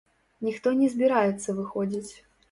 Ніхто не збіраецца выходзіць.